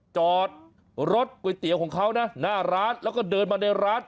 จอดรถก๋วยเตี๋ยวของเขานะหน้าร้านแล้วก็เดินมาในร้าน